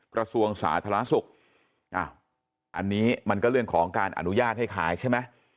กระทรวงสาธารณสุขอันนี้มันก็เรื่องของการอนุญาตให้ขายใช่ไหม